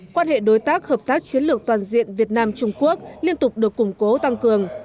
quan hệ đối tác hợp tác chiến lược toàn diện việt nam trung quốc liên tục được củng cố tăng cường